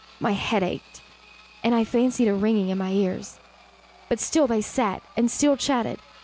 My head ached, and I fancied a ringing in my ears: but still they sat and still chatted.